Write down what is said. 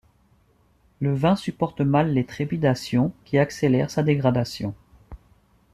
Le vin supporte mal les trépidations qui accélèrent sa dégradation.